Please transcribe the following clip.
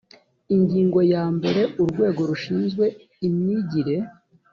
ingingo ya mbere urwego rushinzwe imyigire